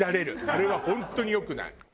あれは本当に良くない。